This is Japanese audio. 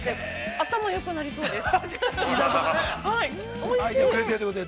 頭よくなりそうです。